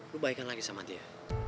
lo baikan lagi sama dia